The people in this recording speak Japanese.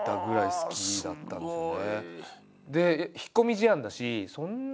好きだったんですよね。